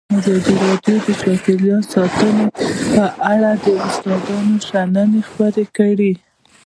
ازادي راډیو د چاپیریال ساتنه په اړه د استادانو شننې خپرې کړي.